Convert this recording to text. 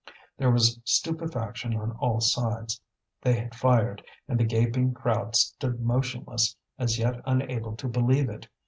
There was stupefaction on all sides. They had fired, and the gaping crowd stood motionless, as yet unable to believe it.